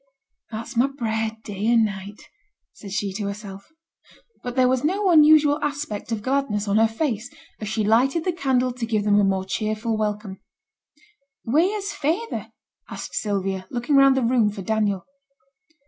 'That's my prayer day and night,' said she to herself. But there was no unusual aspect of gladness on her face, as she lighted the candle to give them a more cheerful welcome. 'Wheere's feyther?' said Sylvia, looking round the room for Daniel.